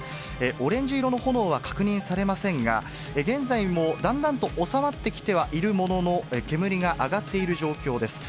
オレンジ色の炎は確認されませんが、現在もだんだんと収まってきてはいるものの、煙が上がっている状況です。